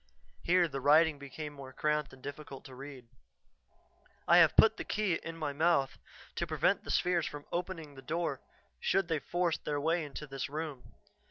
Here the writing became more cramped and difficult to read. "I have put the key in my mouth to prevent the spheres from opening the door should they force their way into this room.